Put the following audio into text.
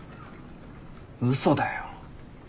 うそだよ。